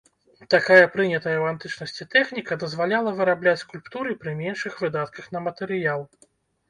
Такая прынятая ў антычнасці тэхніка дазваляла вырабляць скульптуры пры меншых выдатках на матэрыял.